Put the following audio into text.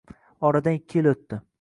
Oradan ikki yil o‘tdi